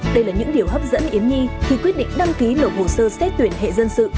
đây là những điều hấp dẫn yến nhi khi quyết định đăng ký nộp hồ sơ xét tuyển hệ dân sự